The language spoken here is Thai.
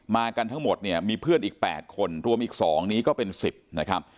กันทั้งหมดเนี่ยมีเพื่อนอีก๘คนรวมอีก๒นี้ก็เป็น๑๐นะครับ